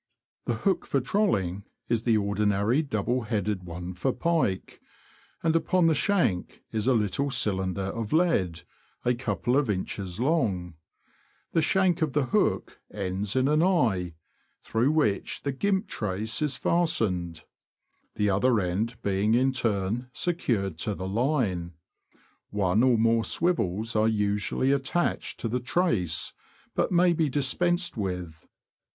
The hook for trolling is the ordinary double headed one for pike, and upon the shank is a little cylinder of lead, a couple of inches long; the shank of the hook ends in an eye, through which the gimp trace is fastened, the other end being in turn secured to the line. One or more swivels are usually attached to the trace, but may be dispensed with.